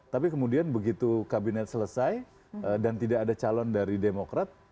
tapi kemudian begitu kabinet selesai dan tidak ada calon dari demokrat